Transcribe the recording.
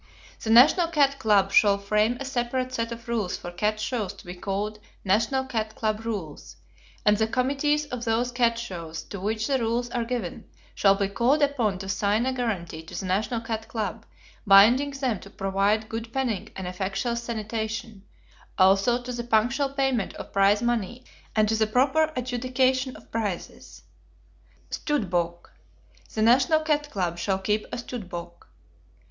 The National Cat Club shall frame a separate set of rules for cat shows to be called "National Cat Club Rules," and the committees of those cat shows to which the rules are given, shall be called upon to sign a guarantee to the National Cat Club binding them to provide good penning and effectual sanitation, also to the punctual payment of prize money and to the proper adjudication of prizes. Stud Book: The National Cat Club shall keep a stud book.